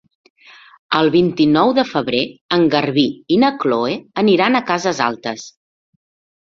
El vint-i-nou de febrer en Garbí i na Chloé aniran a Cases Altes.